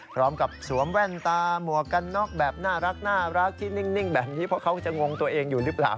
สวมแว่นตามวกกันน็อกแบบน่ารักที่นิ่งแบบนี้เพราะเขาจะงงตัวเองอยู่หรือเปล่า